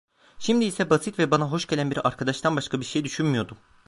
Şimdi ise basit ve bana hoş gelen bir arkadaştan başka bir şey düşünmüyordum.